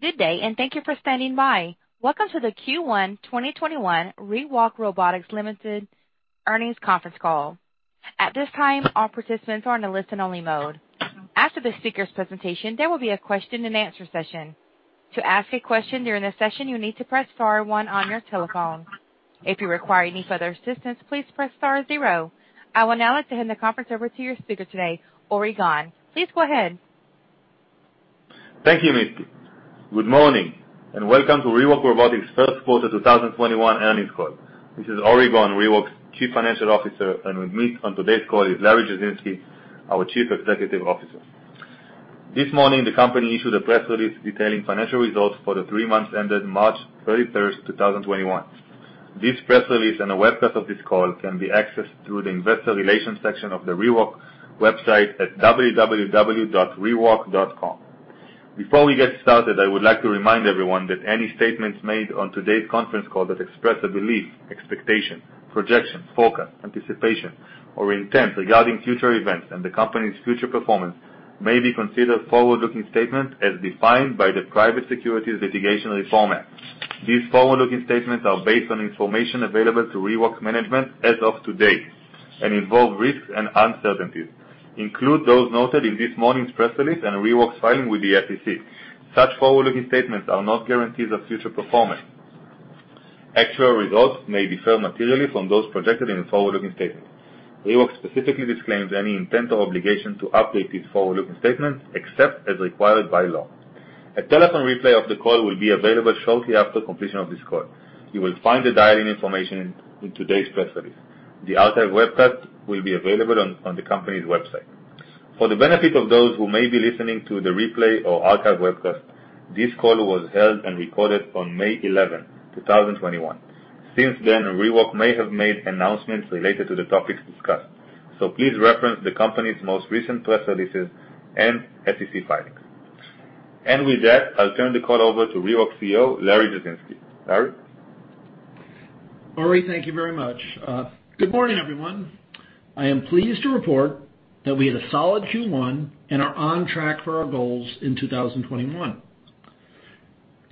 Good day. Thank you for standing by. Welcome to the Q1 2021 ReWalk Robotics Ltd. earnings conference call. At this time, all participants are in a listen-only mode. After the speakers' presentation, there will be a question and answer session. To ask a question during the session, you need to press star one on your telephone. If you require any further assistance, please press star zero. I will now hand the conference over to your speaker today, Ori Gon. Please go ahead. Thank you, Misty. Good morning, and welcome to ReWalk Robotics' first quarter 2021 earnings call. This is Ori Gon, ReWalk's Chief Financial Officer, and with me on today's call is Larry Jasinski, our Chief Executive Officer. This morning, the company issued a press release detailing financial results for the three months ended March 31st, 2021. This press release and a webcast of this call can be accessed through the investor relations section of the ReWalk website at www.rewalk.com. Before we get started, I would like to remind everyone that any statements made on today's conference call that express a belief, expectation, projection, forecast, anticipation, or intent regarding future events and the company's future performance may be considered forward-looking statements as defined by the Private Securities Litigation Reform Act. These forward-looking statements are based on information available to ReWalk management as of today and involve risks and uncertainties, include those noted in this morning's press release and ReWalk's filing with the SEC. Such forward-looking statements are not guarantees of future performance. Actual results may differ materially from those projected in the forward-looking statement. ReWalk specifically disclaims any intent or obligation to update these forward-looking statements except as required by law. A telephone replay of the call will be available shortly after completion of this call. You will find the dial-in information in today's press release. The archive webcast will be available on the company's website. For the benefit of those who may be listening to the replay or archive webcast, this call was held and recorded on May 11, 2021. Since then, ReWalk may have made announcements related to the topics discussed. Please reference the company's most recent press releases and SEC filings. With that, I'll turn the call over to ReWalk CEO, Larry Jasinski. Larry? Ori, thank you very much. Good morning, everyone. I am pleased to report that we had a solid Q1 and are on track for our goals in 2021.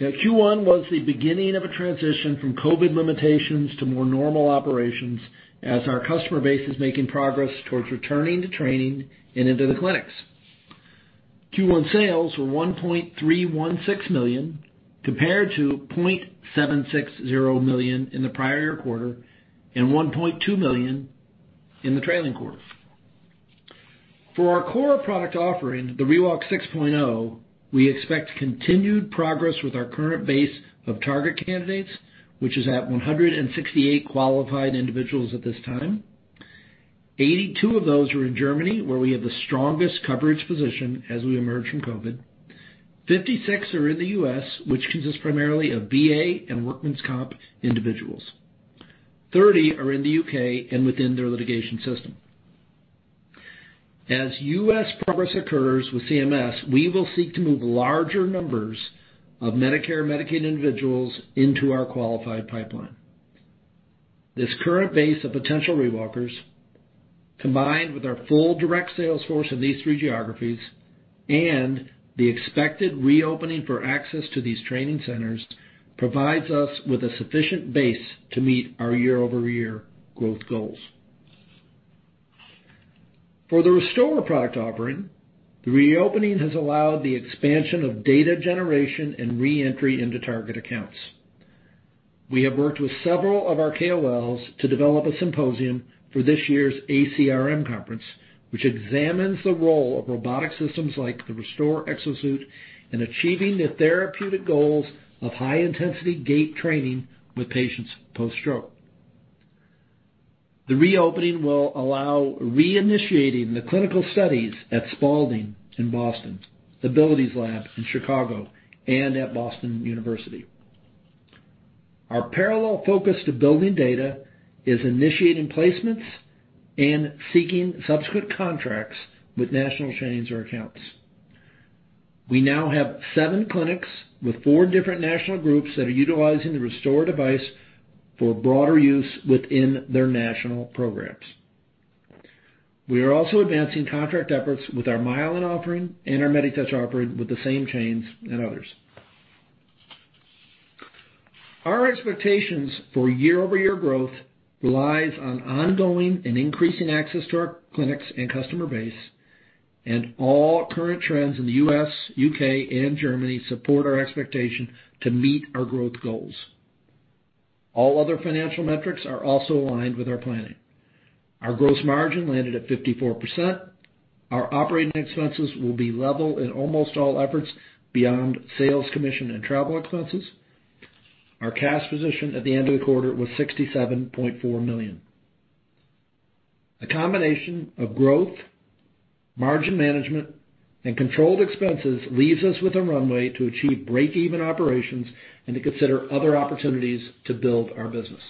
Q1 was the beginning of a transition from COVID limitations to more normal operations as our customer base is making progress towards returning to training and into the clinics. Q1 sales were $1.316 million, compared to $0.760 million in the prior year quarter and $1.2 million in the trailing quarter. For our core product offering, the ReWalk Personal 6.0, we expect continued progress with our current base of target candidates, which is at 168 qualified individuals at this time. 82 of those are in Germany, where we have the strongest coverage position as we emerge from COVID. 56 are in the U.S., which consists primarily of VA and workman's comp individuals. 30 are in the U.K. and within their litigation system. As US progress occurs with CMS, we will seek to move larger numbers of Medicare/Medicaid individuals into our qualified pipeline. This current base of potential ReWalkers, combined with our full direct sales force in these three geographies and the expected reopening for access to these training centers, provides us with a sufficient base to meet our year-over-year growth goals. For the ReStore product offering, the reopening has allowed the expansion of data generation and re-entry into target accounts. We have worked with several of our KOLs to develop a symposium for this year's ACRM conference, which examines the role of robotic systems like the ReStore exosuit in achieving the therapeutic goals of high-intensity gait training with patients post-stroke. The reopening will allow reinitiating the clinical studies at Spaulding in Boston, Shirley Ryan AbilityLab in Chicago, and at Boston University. Our parallel focus to building data is initiating placements and seeking subsequent contracts with national chains or accounts. We now have seven clinics with four different national groups that are utilizing the ReStore device for broader use within their national programs. We are also advancing contract efforts with our MyoCycle offering and our MediTouch offering with the same chains and others. Our expectations for year-over-year growth relies on ongoing and increasing access to our clinics and customer base. All current trends in the U.S., U.K., and Germany support our expectation to meet our growth goals. All other financial metrics are also aligned with our planning. Our gross margin landed at 54%. Our operating expenses will be level in almost all efforts beyond sales commission and travel expenses. Our cash position at the end of the quarter was $67.4 million. A combination of growth, margin management, and controlled expenses leaves us with a runway to achieve break-even operations and to consider other opportunities to build our business.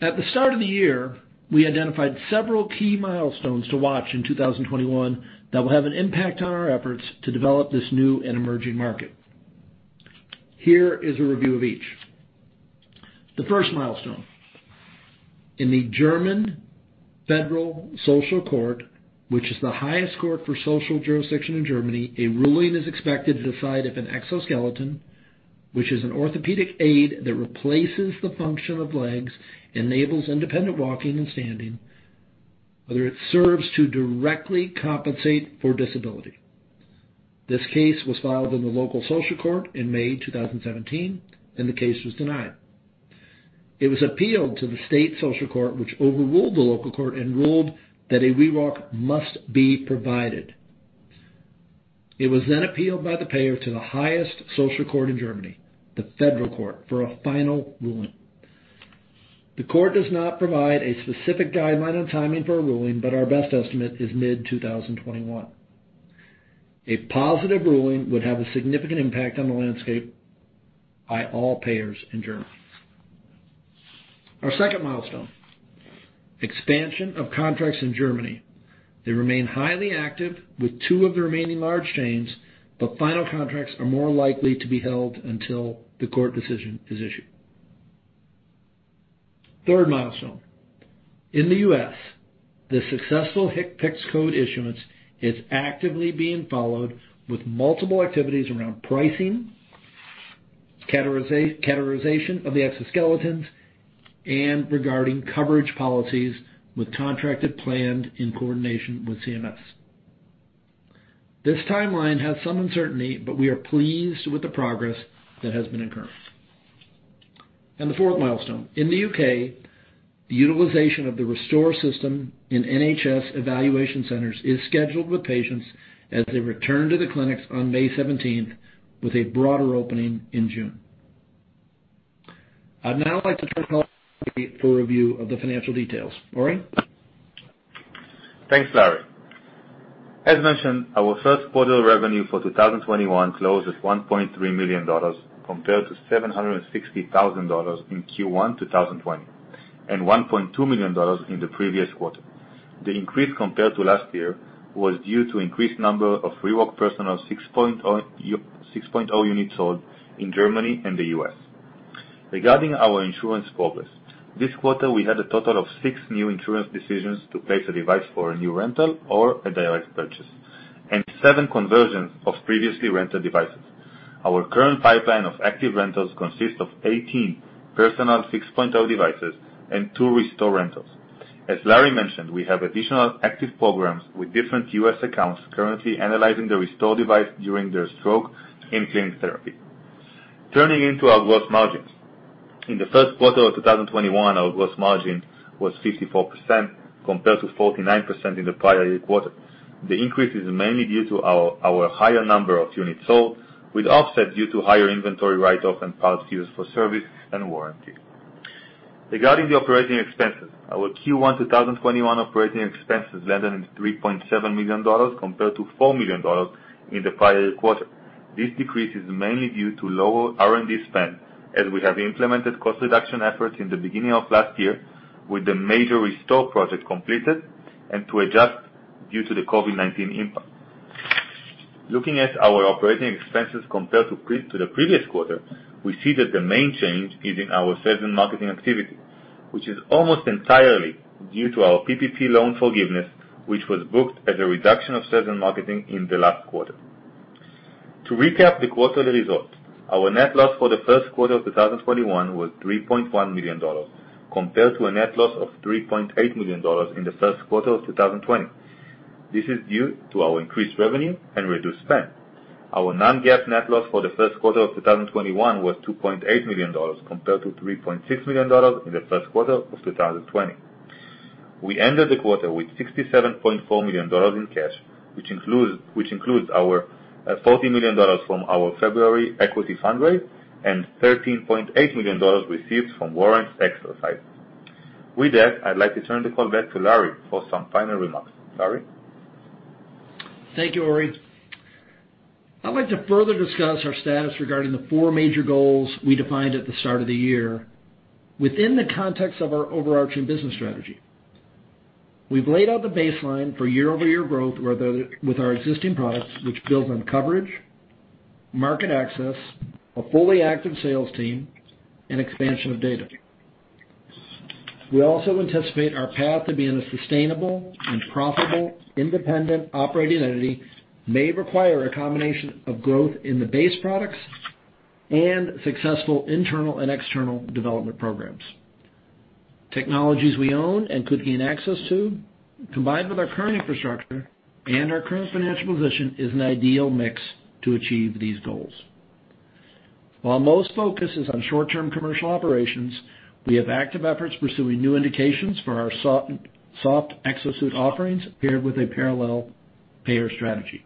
At the start of the year, we identified several key milestones to watch in 2021 that will have an impact on our efforts to develop this new and emerging market. Here is a review of each. The first milestone. In the Federal Social Court, which is the highest court for social jurisdiction in Germany, a ruling is expected to decide if an exoskeleton, which is an orthopedic aid that replaces the function of legs, enables independent walking and standing, whether it serves to directly compensate for disability. This case was filed in the local social court in May 2017. The case was denied. It was appealed to the state social court, which overruled the local court and ruled that a ReWalk must be provided. It was appealed by the payer to the highest social court in Germany, the Federal Social Court, for a final ruling. The court does not provide a specific guideline on timing for a ruling, but our best estimate is mid-2021. A positive ruling would have a significant impact on the landscape by all payers in Germany. Our second milestone, expansion of contracts in Germany. They remain highly active with two of the remaining large chains, final contracts are more likely to be held until the court decision is issued. Third milestone. In the US, the successful HCPCS code issuance is actively being followed with multiple activities around pricing, categorization of the exoskeletons, and regarding coverage policies with contracted plans in coordination with CMS. This timeline has some uncertainty, but we are pleased with the progress that has been incurred. The fourth milestone, in the U.K., the utilization of the ReStore system in NHS evaluation centers is scheduled with patients as they return to the clinics on May 17th, with a broader opening in June. I'd now like to turn to Ori for review of the financial details. Ori? Thanks, Larry. As mentioned, our first quarter revenue for 2021 closed at $1.3 million, compared to $760,000 in Q1 2020, and $1.2 million in the previous quarter. The increase compared to last year was due to increased number of ReWalk Personal 6.0 units sold in Germany and the U.S. Regarding our insurance progress, this quarter, we had a total of six new insurance decisions to place a device for a new rental or a direct purchase, and seven conversions of previously rented devices. Our current pipeline of active rentals consists of 18 ReWalk Personal 6.0 devices and two ReStore rentals. As Larry mentioned, we have additional active programs with different U.S. accounts currently analyzing the ReStore device during their stroke in-clinic therapy. Turning into our gross margins. In the first quarter of 2021, our gross margin was 54%, compared to 49% in the prior year quarter. The increase is mainly due to our higher number of units sold, with offset due to higher inventory write-off and parts used for service and warranty. Regarding the operating expenses, our Q1 2021 operating expenses landed in $3.7 million compared to $4 million in the prior quarter. This decrease is mainly due to lower R&D spend, as we have implemented cost reduction efforts in the beginning of last year with the major ReStore project completed. To adjust due to the COVID-19 impact, looking at our operating expenses compared to the previous quarter, we see that the main change is in our sales and marketing activity, which is almost entirely due to our PPP loan forgiveness, which was booked as a reduction of sales and marketing in the last quarter. To recap the quarterly results, our net loss for the first quarter of 2021 was $3.1 million, compared to a net loss of $3.8 million in the first quarter of 2020. This is due to our increased revenue and reduced spend. Our non-GAAP net loss for the first quarter of 2021 was $2.8 million, compared to $3.6 million in the first quarter of 2020. We ended the quarter with $67.4 million in cash, which includes our $40 million from our February equity fundraise and $13.8 million received from warrants exercised. With that, I'd like to turn the call back to Larry for some final remarks. Larry? Thank you, Ori. I'd like to further discuss our status regarding the four major goals we defined at the start of the year within the context of our overarching business strategy. We've laid out the baseline for year-over-year growth with our existing products, which builds on coverage, market access, a fully active sales team, and expansion of data. We also anticipate our path to being a sustainable and profitable independent operating entity may require a combination of growth in the base products and successful internal and external development programs. Technologies we own and could gain access to, combined with our current infrastructure and our current financial position, is an ideal mix to achieve these goals. While most focus is on short-term commercial operations, we have active efforts pursuing new indications for our soft exosuit offerings paired with a parallel payer strategy.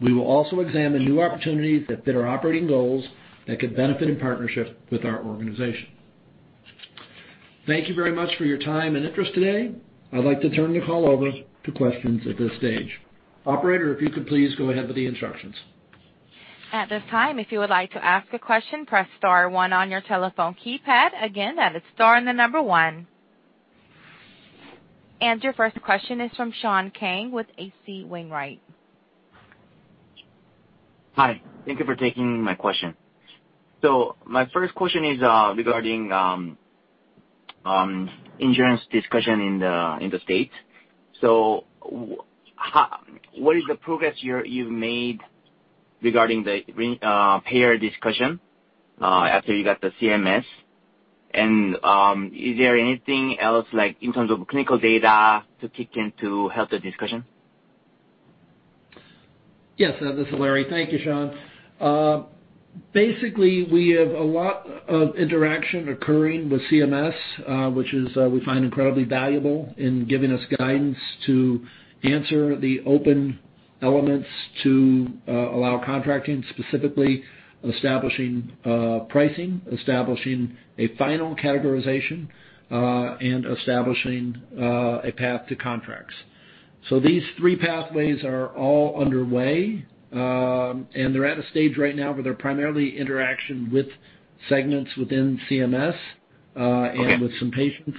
We will also examine new opportunities that fit our operating goals that could benefit in partnership with our organization. Thank you very much for your time and interest today. I'd like to turn the call over to questions at this stage. Operator, if you could please go ahead with the instructions. At this time, if you would like to ask a question, press star one on your telephone keypad. Again, that is star and the number one. Your first question is from Yoon-Seo Kang with H.C. Wainwright. Hi. Thank you for taking my question. My first question is regarding insurance discussion in the U.S. What is the progress you've made regarding the payer discussion after you got the CMS, and is there anything else in terms of clinical data to kick in to help the discussion? This is Larry. Thank you, Yoon-Seo Kang. We have a lot of interaction occurring with CMS, which is we find incredibly valuable in giving us guidance to answer the open elements to allow contracting, specifically establishing pricing, establishing a final categorization, and establishing a path to contracts. These three pathways are all underway, and they're at a stage right now where they're primarily interaction with segments within CMS, and with some patients.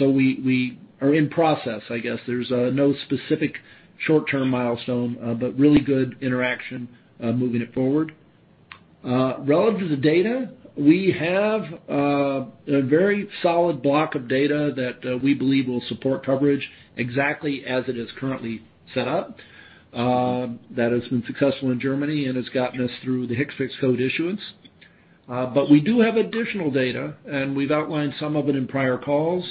We are in process, I guess. There's no specific short-term milestone, but really good interaction, moving it forward. Relative to data, we have a very solid block of data that we believe will support coverage exactly as it is currently set up. That has been successful in Germany and has gotten us through the HCPCS code issuance. We do have additional data, and we've outlined some of it in prior calls.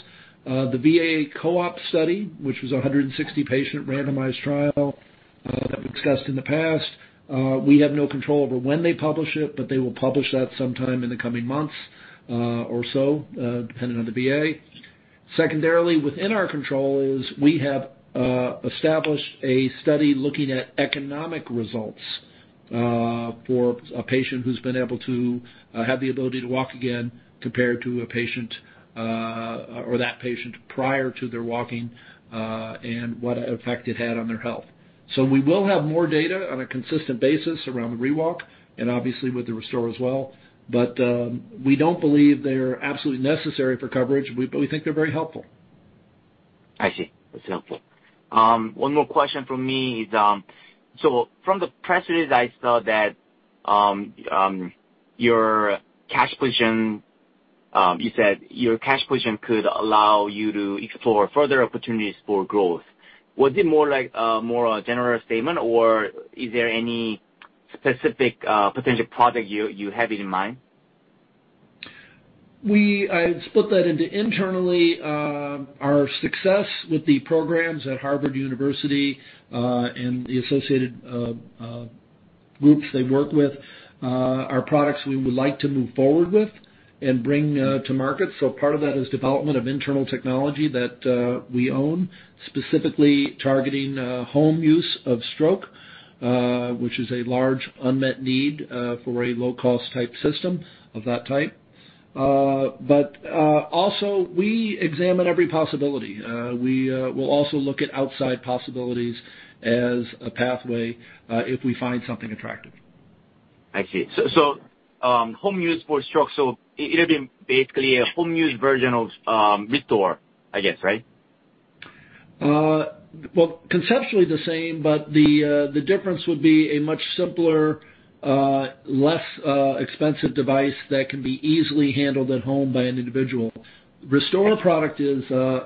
The VA co-op study, which was 160-patient randomized trial, that we've discussed in the past. We have no control over when they publish it, but they will publish that sometime in the coming months or so, depending on the VA. Secondarily, within our control is we have established a study looking at economic results for a patient who's been able to have the ability to walk again compared to a patient, or that patient prior to their walking, and what effect it had on their health. We will have more data on a consistent basis around the ReWalk and obviously with the ReStore as well. We don't believe they're absolutely necessary for coverage, but we think they're very helpful. I see. That's helpful. One more question from me is, from the press release, I saw that your cash position could allow you to explore further opportunities for growth. Was it more a general statement, or is there any specific potential project you have in mind? I'd split that into internally, our success with the programs at Harvard University, and the associated groups they work with, are products we would like to move forward with and bring to market. Part of that is development of internal technology that we own, specifically targeting home use of stroke, which is a large unmet need for a low-cost type system of that type. Also, we examine every possibility. We'll also look at outside possibilities as a pathway if we find something attractive. I see. Home use for stroke, it would be basically a home-use version of ReStore, I guess, right? Well, conceptually the same, but the difference would be a much simpler, less expensive device that can be easily handled at home by an individual. ReStore product is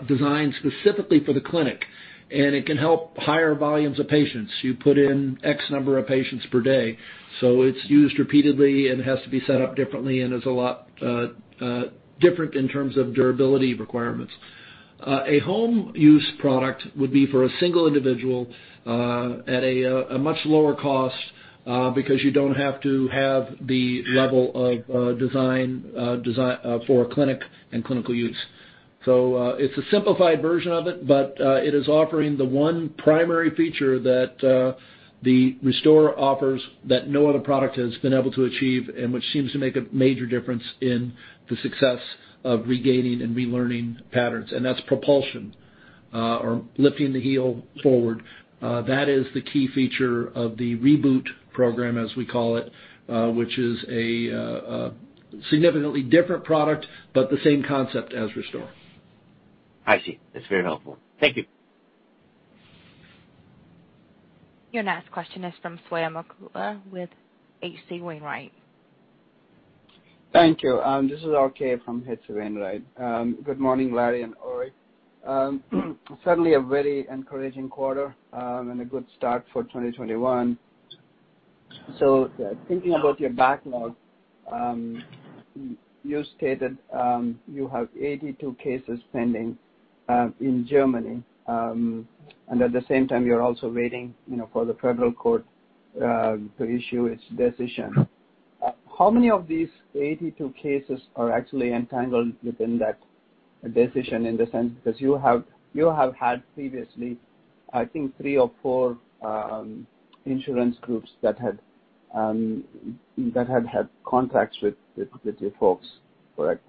designed specifically for the clinic, and it can help higher volumes of patients. You put in X number of patients per day. It's used repeatedly and has to be set up differently and is a lot different in terms of durability requirements. A home-use product would be for a single individual at a much lower cost because you don't have to have the level of design for a clinic and clinical use. It's a simplified version of it, but it is offering the one primary feature that the ReStore offers that no other product has been able to achieve, and which seems to make a major difference in the success of regaining and relearning patterns, and that's propulsion or lifting the heel forward. That is the key feature of the ReBoot program, as we call it, which is a significantly different product, but the same concept as ReStore. I see. That's very helpful. Thank you. Your next question is from Swayampakula Ramakanth with H.C. Wainwright. Thank you. This is Swayampakula Ramakanth from H.C. Wainwright. Good morning, Larry and Ori. Certainly a very encouraging quarter, and a good start for 2021. Thinking about your backlog, you stated you have 82 cases pending in Germany, and at the same time, you are also waiting for the Federal Court to issue its decision. How many of these 82 cases are actually entangled within that decision in the sense because you have had previously, I think, three or four insurance groups that had contacts with your folks, correct?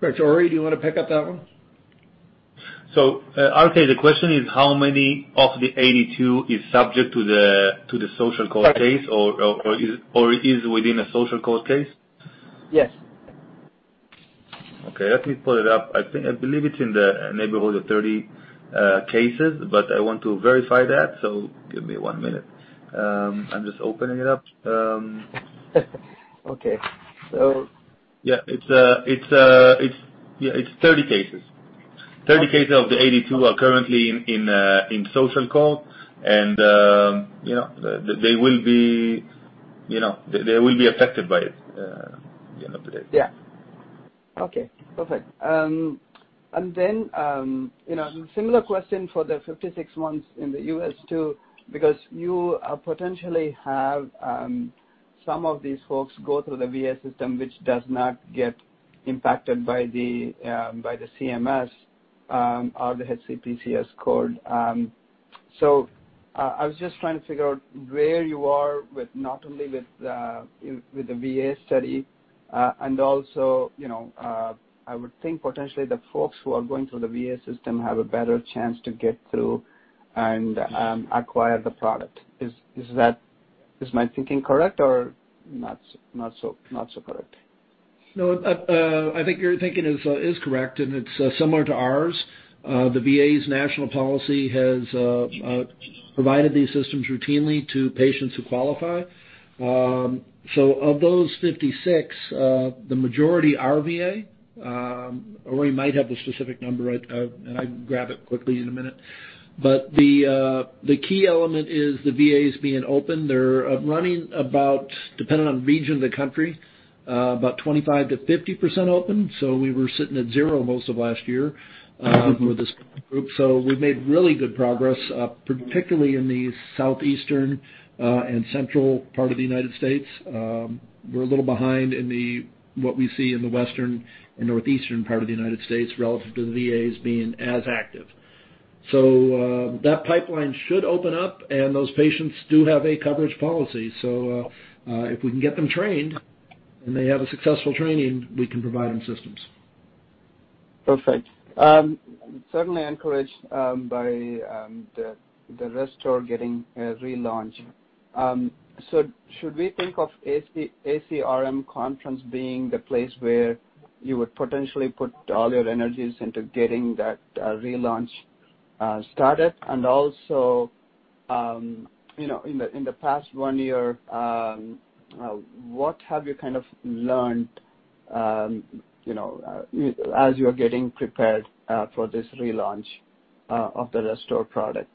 Right. Ori, do you want to pick up that one? RK, the question is how many of the 82 is subject to the social court case or is within a social court case? Yes. Okay, let me pull it up. I believe it's in the neighborhood of 30 cases, but I want to verify that, so give me one minute. I'm just opening it up. Okay. Yeah, it's 30 cases. 30 cases of the 82 are currently in Federal Social Court, and they will be affected by it. Yeah. Okay, perfect. Similar question for the 56 ones in the U.S. too, because you potentially have some of these folks go through the VA system, which does not get impacted by the CMS or the HCPCS code. I was just trying to figure out where you are with not only with the VA study, and also, I would think potentially the folks who are going through the VA system have a better chance to get through and acquire the product. Is my thinking correct or not so correct? I think your thinking is correct, and it's similar to ours. The VA's national policy has provided these systems routinely to patients who qualify. Of those 56, the majority are VA. Ori might have the specific number, and I can grab it quickly in a minute. The key element is the VAs being open. They're running about, depending on region of the country, about 25%-50% open. We were sitting at zero most of last year. With this group. We've made really good progress, particularly in the southeastern and central part of the U.S. We're a little behind in what we see in the western and northeastern part of the U.S. relative to the VAs being as active. That pipeline should open up, and those patients do have a coverage policy. If we can get them trained and they have a successful training, we can provide them systems. Perfect. Certainly encouraged by the ReStore getting a relaunch. Should we think of ACRM conference being the place where you would potentially put all your energies into getting that relaunch started? Also, in the past one year, what have you learned as you're getting prepared for this relaunch of the ReStore product?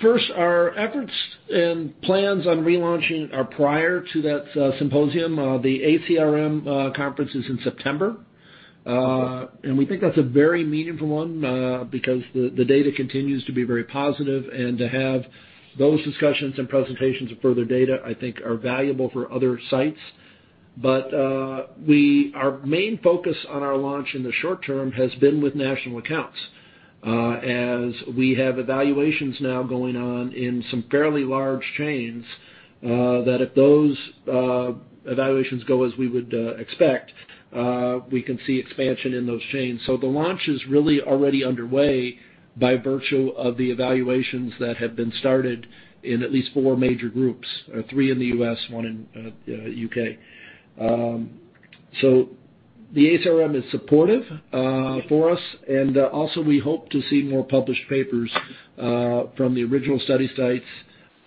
First, our efforts and plans on relaunching are prior to that symposium. The ACRM conference is in September. Okay. We think that's a very meaningful one because the data continues to be very positive, and to have those discussions and presentations of further data, I think are valuable for other sites. Our main focus on our launch in the short term has been with national accounts, as we have evaluations now going on in some fairly large chains, that if those evaluations go as we would expect, we can see expansion in those chains. The launch is really already underway by virtue of the evaluations that have been started in at least four major groups. Three in the U.S., one in U.K. The ACRM is supportive for us. Also we hope to see more published papers from the original study sites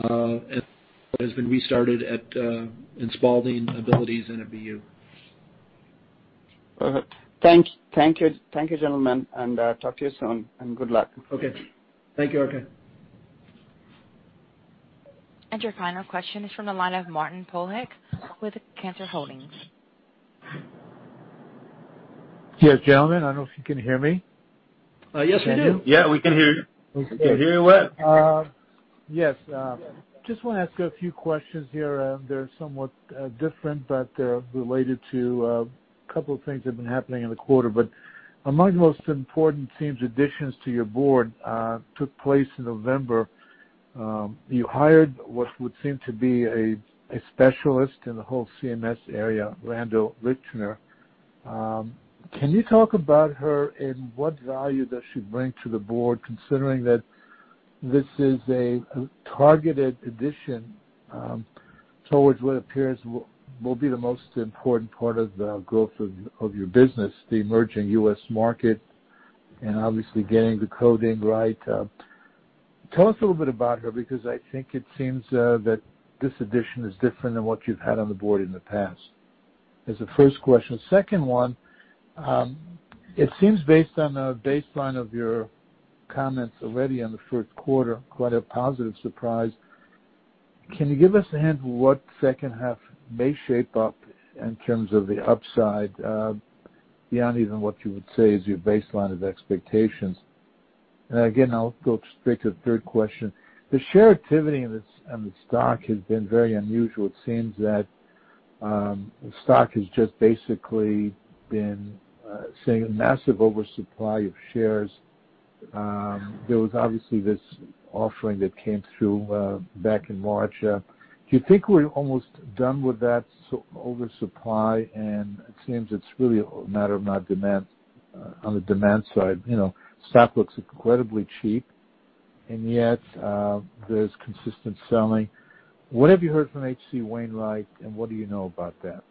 that has been restarted at Spaulding Rehabilitation Hospital and at BU's Sargent College of Health and Rehabilitation Sciences. Perfect. Thank you, gentlemen, and talk to you soon, and good luck. Okay. Thank you, Swayampakula Ramakanth. Your final question is from the line of Martin Poleg with Cantor Fitzgerald. Yes, gentlemen, I don't know if you can hear me. Yes, we do. Yeah, we can hear you. Okay. Can hear you well. Just want to ask a few questions here. They're somewhat different, but they're related to a couple of things that have been happening in the quarter. Among the most important seems additions to your board took place in November. You hired what would seem to be a specialist in the whole CMS area, Randel Richner. Can you talk about her and what value does she bring to the board, considering that this is a targeted addition towards what appears will be the most important part of the growth of your business, the emerging U.S. market, and obviously getting the coding right. Tell us a little bit about her, because I think it seems that this addition is different than what you've had on the board in the past. As a first question. Second one, it seems based on the baseline of your comments already on the first quarter, quite a positive surprise. Can you give us a hint what second half may shape up in terms of the upside, beyond even what you would say is your baseline of expectations? Again, I'll go straight to the third question. The share activity on the stock has been very unusual. It seems that the stock has just basically been seeing a massive oversupply of shares. There was obviously this offering that came through back in March. Do you think we're almost done with that oversupply? It seems it's really a matter of on the demand side. Stock looks incredibly cheap. Yet there's consistent selling. What have you heard from H.C. Wainwright, and what do you know about that?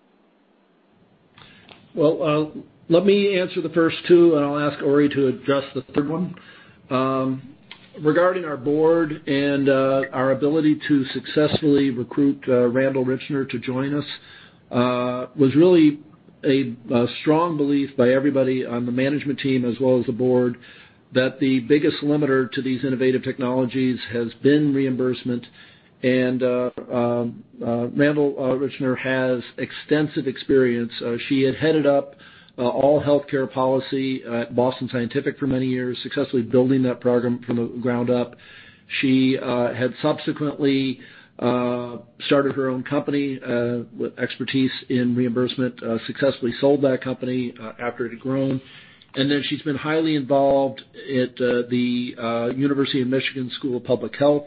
Let me answer the first two, and I'll ask Ori to address the third one. Regarding our board and our ability to successfully recruit Randel Richner to join us, was really a strong belief by everybody on the management team as well as the board, that the biggest limiter to these innovative technologies has been reimbursement. Randel Richner has extensive experience. She had headed up all healthcare policy at Boston Scientific for many years, successfully building that program from the ground up. She had subsequently started her own company with expertise in reimbursement, successfully sold that company after it had grown. She's been highly involved at the University of Michigan School of Public Health.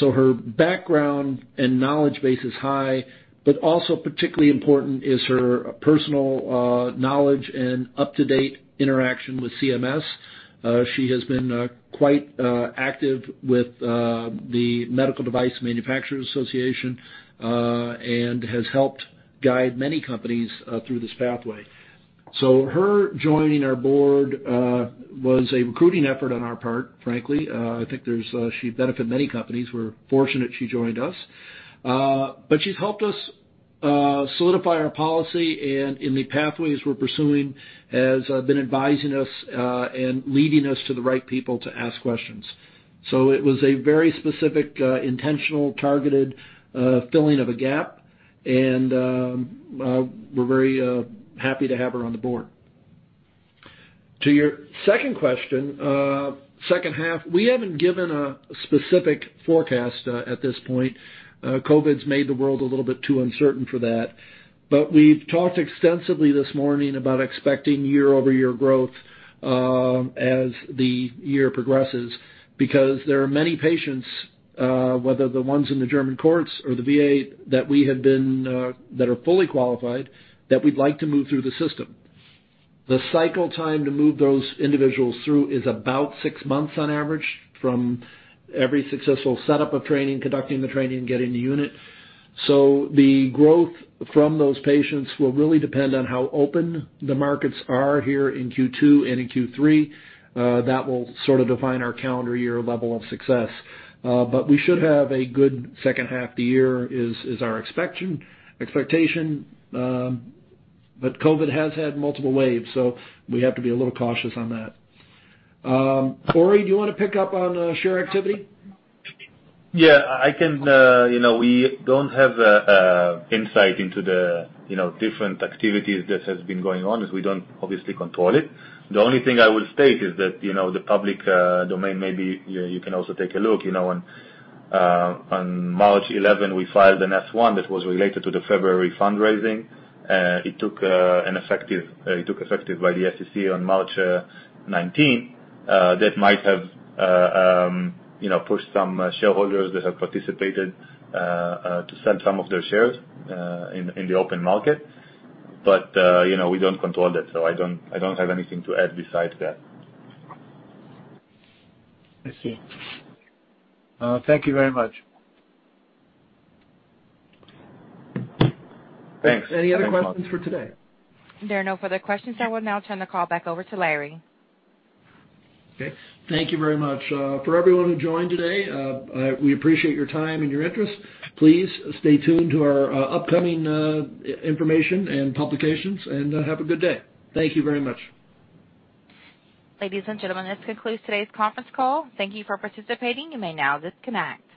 Her background and knowledge base is high, but also particularly important is her personal knowledge and up-to-date interaction with CMS. She has been quite active with the Medical Device Manufacturers Association and has helped guide many companies through this pathway. Her joining our board was a recruiting effort on our part, frankly. I think she'd benefit many companies. We're fortunate she joined us. She's helped us solidify our policy, and in the pathways we're pursuing, has been advising us and leading us to the right people to ask questions. It was a very specific, intentional, targeted filling of a gap, and we're very happy to have her on the board. To your second question, second half, we haven't given a specific forecast at this point. COVID's made the world a little bit too uncertain for that. We've talked extensively this morning about expecting year-over-year growth as the year progresses because there are many patients, whether the ones in the German courts or the VA, that are fully qualified that we'd like to move through the system. The cycle time to move those individuals through is about six months on average from every successful setup of training, conducting the training, getting the unit. The growth from those patients will really depend on how open the markets are here in Q2 and in Q3. That will sort of define our calendar year level of success. We should have a good second half of the year is our expectation. COVID has had multiple waves, so we have to be a little cautious on that. Ori, do you want to pick up on share activity? Yeah. We don't have insight into the different activities that have been going on as we don't obviously control it. The only thing I will state is that the public domain. Maybe you can also take a look. On March 11, we filed an S-1 that was related to the February fundraising. It took effective by the SEC on March 19. That might have pushed some shareholders that have participated to sell some of their shares in the open market. We don't control that. I don't have anything to add besides that. I see. Thank you very much. Thanks. Thanks a lot. Any other questions for today? There are no further questions. I will now turn the call back over to Larry. Okay. Thank you very much. For everyone who joined today, we appreciate your time and your interest. Please stay tuned to our upcoming information and publications, and have a good day. Thank you very much. Ladies and gentlemen, this concludes today's conference call. Thank you for participating. You may now disconnect.